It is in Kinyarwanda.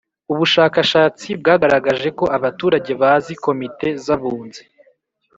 Ubushakashatsi bwagaragaje ko abaturage bazi Komite z’Abunzi